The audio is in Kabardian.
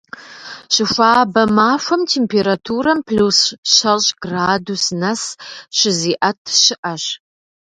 Щыхуабэ махуэм температурам плюс щэщӏ градус нэс щызиӀэт щыӀэщ.